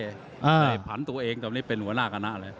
แต่ผันตัวเองตอนนี้เป็นหัวหน้าคณะเลย